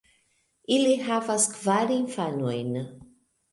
Ili havis kvar infanojn.